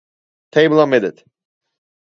Table omitted.